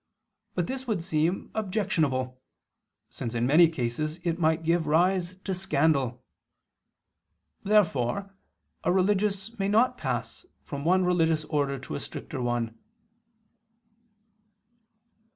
But this would seem objectionable, since in many cases it might give rise to scandal. Therefore a religious may not pass from one religious order to another stricter one.